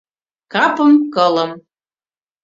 Капым-кылым